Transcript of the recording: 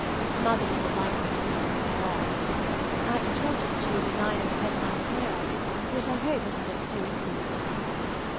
Mother does not like to have her so far off. At Chawton she will be nine or ten miles nearer, which I hope will have its due influence.